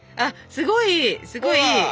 すごいすごいいい。